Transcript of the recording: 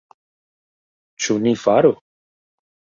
Ĉu ni faru?